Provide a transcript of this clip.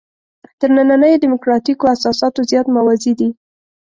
تر نننیو دیموکراتیکو اساساتو زیات موازي دي.